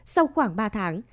sau khoảng ba tháng